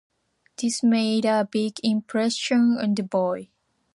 This made a big impression on the boy.